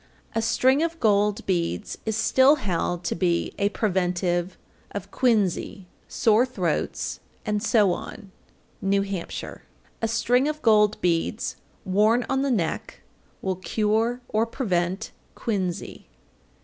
_ 799. A string of gold beads is still held to be a preventive of quinsy, sore throats, and so on. New Hampshire. 800. A string of gold beads worn on the neck will cure or prevent quinsy.